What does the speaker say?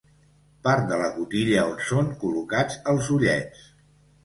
Part de la cotilla on són col·locats els ullets.